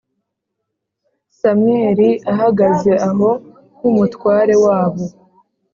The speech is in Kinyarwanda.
Samweli ahagaze aho nk’umutware wabo